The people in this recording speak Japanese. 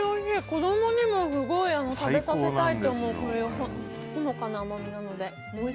子供にもすごい食べさせたいと思うほのかな甘みなので。